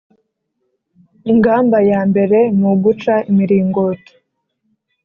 Ingamba yambere ni uguca imiringoti